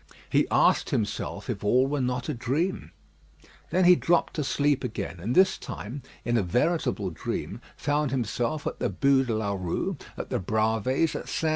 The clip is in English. He asked himself if all were not a dream? Then he dropped to sleep again; and this time, in a veritable dream, found himself at the Bû de la Rue, at the Bravées, at St. Sampson.